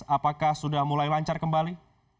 apakah sudah mulai lancar kembali